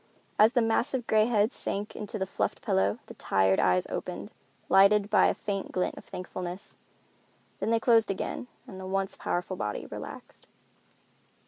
As the massive gray head sank into the fluffed pillow the tired eyes opened, lighted by a faint glint of thankfulness. Then they closed again and the once powerful body relaxed.